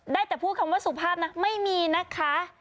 ได้แต่พูดคำว่าสุภาพนะไม่มีนะคะ